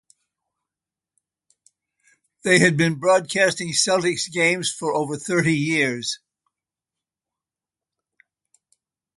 They have been broadcasting Celtics games for over thirty years.